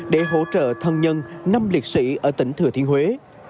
để hỗ trợ thân nhân năm liệt sĩ ở tỉnh thừa thiên huế